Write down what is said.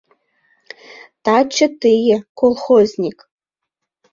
Таче тые, колхозник